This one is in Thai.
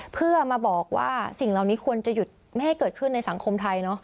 เพื่อมาบอกว่าสิ่งเหล่านี้ควรจะหยุดไม่ให้เกิดขึ้นในสังคมไทยเนอะ